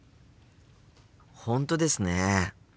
本当ですね。